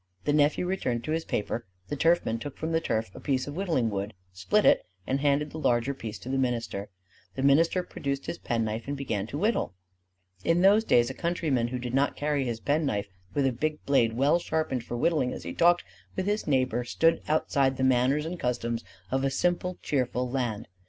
The nephew returned to his paper. The turfman took from the turf a piece of whittling wood, split it, and handed the larger piece to the minister. The minister produced his penknife and began to whittle. In those days a countryman who did not carry his penknife with a big blade well sharpened for whittling as he talked with his neighbor stood outside the manners and customs of a simple cheerful land.